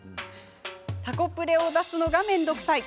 たこプレを出すのがめんどくさい。